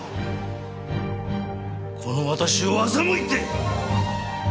この私を欺いて！